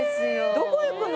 どこ行くの？